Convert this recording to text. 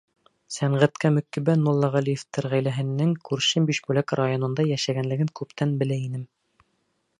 Сәнғәткә мөкиббән Муллағәлиевтәр ғаиләһенең күрше Бишбүләк районында йәшәгәнлеген күптән белә инем.